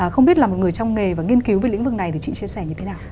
không biết là một người trong nghề và nghiên cứu về lĩnh vực này thì chị chia sẻ như thế nào